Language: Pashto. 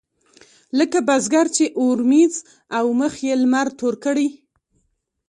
لکه بزګر چې اورمېږ او مخ يې لمر تور کړي.